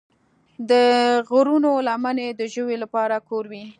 د غرونو لمنې د ژویو لپاره کور وي.